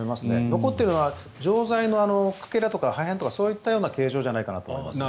残っているのは錠剤のかけらとか破片とかそういった形状じゃないかと思いますけど。